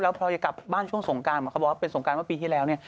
แล้วพอจะกลับบ้านช่วงสงกรรมเขาบอกว่าเป็นสงกรรมเมื่อปีที่แล้วเนี้ย